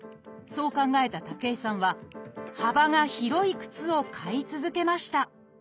そう考えた武井さんは幅が広い靴を買い続けました。